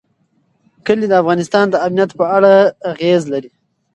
کلي د افغانستان د امنیت په اړه اغېز لري.